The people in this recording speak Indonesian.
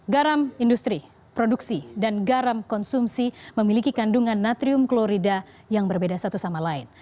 garam industri produksi dan garam konsumsi memiliki kandungan natrium klorida yang berbeda satu sama lain